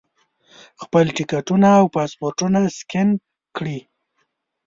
خپل ټکټونه او پاسپورټونه سکین کړي.